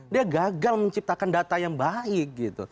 dia gagal menciptakan data yang baik